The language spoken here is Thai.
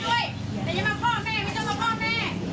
แล้วมันไม่ยอมเนี่ยจะให้ทำยังไง